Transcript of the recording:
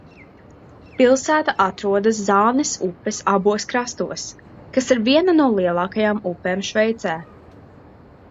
Pilsēta atrodas Zānes upes abos krastos, kas ir viena no lielākajām upēm Šveicē.